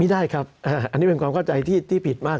ได้ครับอันนี้เป็นความเข้าใจที่ผิดมาก